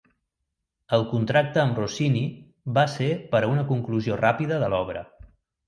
El contracte amb Rossini va ser per a una conclusió ràpida de l'obra.